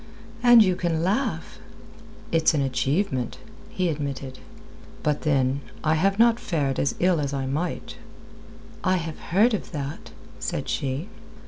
"And you can laugh!" "It's an achievement," he admitted. "But then, I have not fared as ill as I might." "I have heard of that," said she.